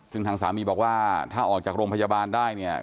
ซึ่งทางสามีบอกว่าถ้าออกจากโรงพยาบาลได้เนี่ย